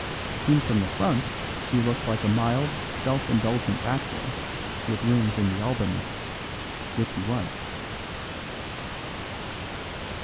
Seen from the front he looked like a mild, self indulgent bachelor, with rooms in the Albany which he was.